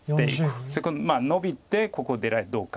それかノビてここ出られてどうかと。